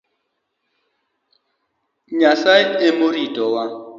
Nyasaye emoritowa.